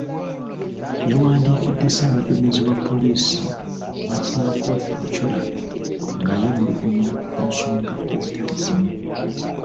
Yawandiikidde ssaabaduumizi wa poliisi, Martin Okoth Ochola, nga yeemulugunya ku nsonga ezitali zimu.